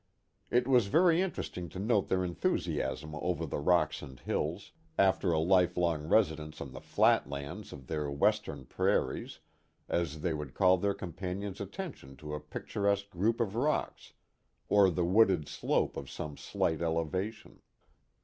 It was very interesting to note their enthusiasm over the rocks and hills, after a lifelong residence on the flat lands of their Western prairies, as they would call their companions' attention to a picturesque group of rocks or the wooded slope of some slight elevation.